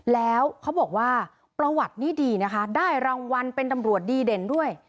แล้วเขาบอกว่าประวัตินี่ดีนะคะได้รางวัลเป็นตำรวจดีเด่นด้วย